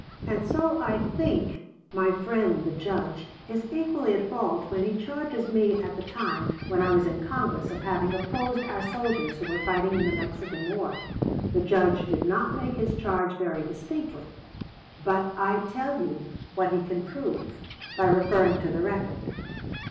And so I think my friend, the Judge, is equally at fault when he charges me at the time when I was in Congress of having opposed our soldiers who were fighting in the Mexican War. The Judge did not make his charge very distinctly; but I tell you what he can prove, by referring to the record.